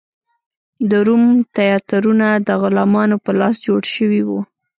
د روم تیاترونه د غلامانو په لاس جوړ شوي و.